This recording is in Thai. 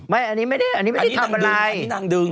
ไม่อันนี้ไม่ได้อันนี้ไม่ได้ทำอะไรอันนี้นางดึงนางดึง